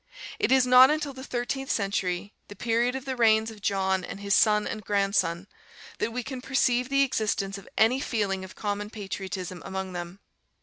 It is not until the thirteenth century, the period of the reigns of John and his son and grandson, that we can perceive the existence of any feeling of common patriotism among them.